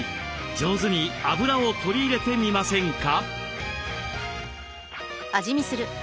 上手にあぶらを取り入れてみませんか。